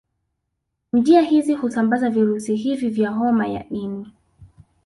Njia hizi husambaza virusi hivi vya homa ya ini